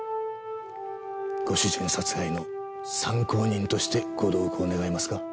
ご主人殺害の参考人としてご同行願えますか。